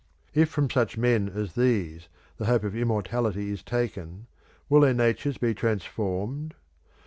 If from such men as these the hope of immortality is taken, will their natures be transformed?